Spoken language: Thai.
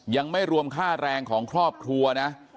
ยังไม่รวมค่าแรงของครอบครัวนะ